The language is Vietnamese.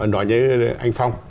nói như anh phong